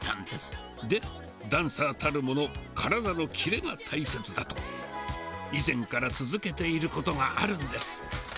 で、ダンサーたるもの、体のキレが大切だと、以前から続けていることがあるんです。